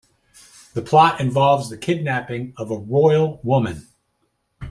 The plot involves the kidnapping of a royal woman.